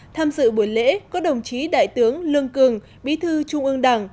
tham dự buổi lễ có đồng chí đại tướng lương cường bí thư trung ương đảng